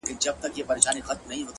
دې لېوني ماحول کي ووايه؛ پر چا مئين يم